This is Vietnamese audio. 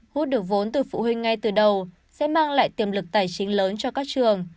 hút được vốn từ phụ huynh ngay từ đầu sẽ mang lại tiềm lực tài chính lớn cho các trường